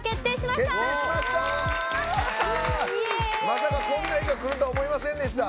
まさか、こんな日がくるとは思いませんでした。